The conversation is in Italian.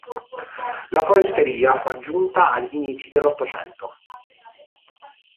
La foresteria fu aggiunta agli inizi dell'Ottocento.